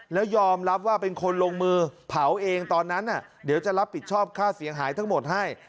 แล้วยอมรับว่าเป็นคนลงมือเผาเองตอนนั้นเดี๋ยวจะรับผิดชอบค่าเสียหายทั้งหมดให้